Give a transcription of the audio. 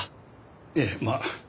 ええまあ。